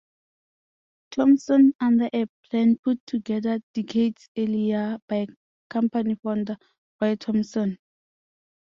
Thomson under a plan put together decades earlier by company founder Roy Thomson.